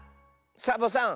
サボさん